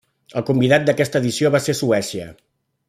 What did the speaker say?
El convidat d’aquesta edició va ser Suècia.